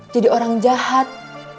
jadi orang jahat